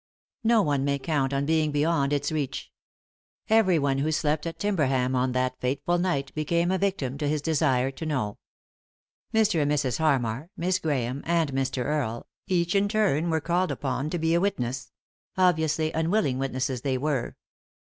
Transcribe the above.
No one may count on being beyond its reach. Every one who slept at Timberbam on that fateful night became a victim to his desire to know. Mr. and Mrs. Harmar, Miss Grahame, and Mr. Earlc, each in turn was called upon to be a witness — obviously unwilling witnesses they were.